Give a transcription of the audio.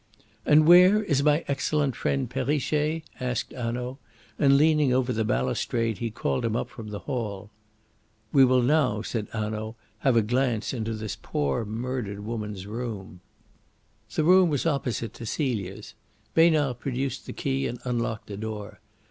"And where is my excellent friend Perrichet?" asked Hanaud; and leaning over the balustrade he called him up from the hall. "We will now," said Hanaud, "have a glance into this poor murdered woman's room." The room was opposite to Celia's. Besnard produced the key and unlocked the door.